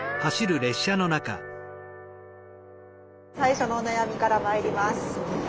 最初のお悩みからまいります。